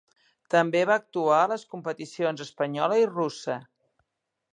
També va actuar a les competicions espanyola i russa.